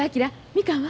みかんは？